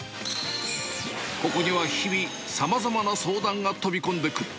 ここには日々、さまざまな相談が飛び込んでくる。